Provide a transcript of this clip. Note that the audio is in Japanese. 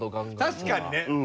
確かにね。